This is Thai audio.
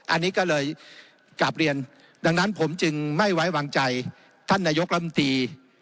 อันนี้ก็เลยกลับเรียนดังนั้นผมจึงไม่ไว้วางใจท่านนายกลำตี